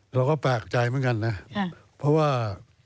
เราก็แปลกใจเพราะว่า